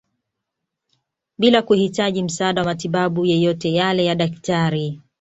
Bila kuhitaji msaada wa matibabu yeyote yale ya Daktari